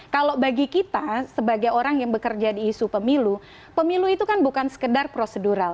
kalau bagi kita sebagai orang yang bekerja di isu pemilu pemilu itu kan bukan sekedar prosedural